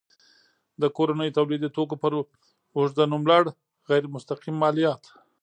د کورنیو تولیدي توکو پر اوږده نوملړ غیر مستقیم مالیات.